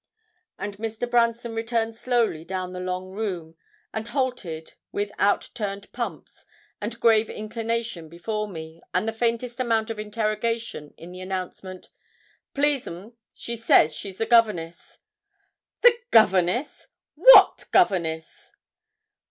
And Mr. Branston returned slowly down the long room, and halted with out turned pumps and a grave inclination before me, and the faintest amount of interrogation in the announcement 'Please, 'm, she says she's the governess.' 'The governess! What governess?'